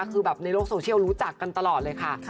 คือแบบในโลกโซเชียลรู้จักกันตลอดเลยค่ะ